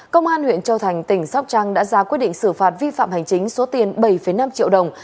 công an huyện châu thành tỉnh sóc trăng đã ra quyết định xử phạt vi phạm hành chính số tiền bảy năm triệu đồng